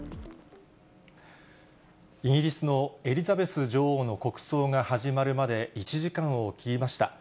イギリスのエリザベス女王の国葬が始まるまで１時間を切りました。